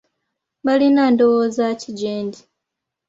Balina ndowooza ki gyendi?